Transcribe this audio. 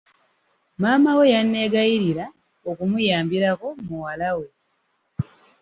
Maama we yanneegayirira okumuyambirako muwala we.